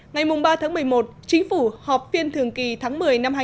ngày ba một mươi một chính phủ họp phiên thường kỳ tháng một mươi hai nghìn một mươi bảy